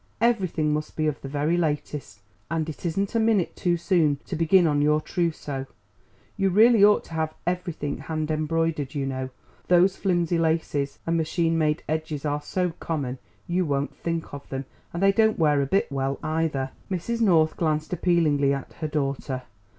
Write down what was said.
Everything must be of the very latest; and it isn't a minute too soon to begin on your trousseau. You really ought to have everything hand embroidered, you know; those flimsy laces and machine made edges are so common, you won't think of them; and they don't wear a bit well, either." Mrs. North glanced appealingly at her daughter.